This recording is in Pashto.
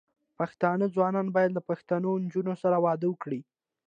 پښتانه ځوانان بايد له پښتنو نجونو سره واده وکړي.